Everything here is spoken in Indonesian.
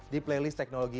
di playlist teknologi